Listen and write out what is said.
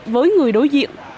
với người đối diện